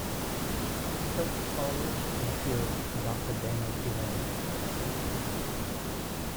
Kirk follows and appeals to Doctor Dehner's humanity for help.